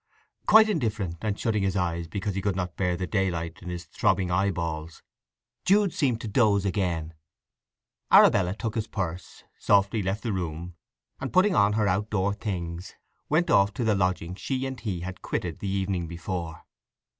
Quite indifferent, and shutting his eyes because he could not bear the daylight in his throbbing eye balls, Jude seemed to doze again. Arabella took his purse, softly left the room, and putting on her outdoor things went off to the lodgings she and he had quitted the evening before.